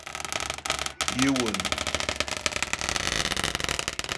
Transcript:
D kečč i d sseɛd-iw ameqwran.